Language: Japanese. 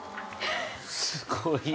すごいな。